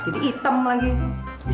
jadi hitam lagi